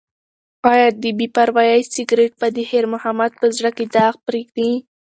ایا د بې پروایۍ سګرټ به د خیر محمد په زړه کې داغ پریږدي؟